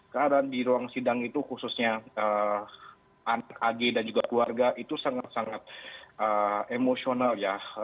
karena di ruang sidang itu khususnya anak ag dan juga keluarga itu sangat sangat emosional ya